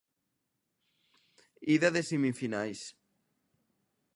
Ida de semifinais.